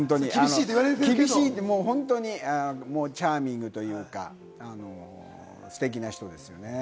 厳しいけど、本当にチャーミングというか、ステキな人ですよね。